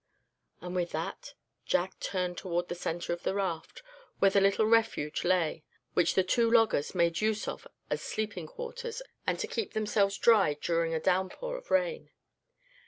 And with that Jack turned toward the center of the raft, where the little refuge lay, which the two loggers made use of as sleeping quarters, and to keep themselves dry during a downpour of rain.